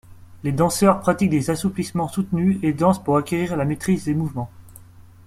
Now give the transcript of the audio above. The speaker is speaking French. Les danseurs pratiquent des assouplissements soutenus et dansent pour acquérir la maîtrise des mouvements.